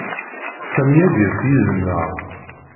Sami ad d-yas yid-neɣ.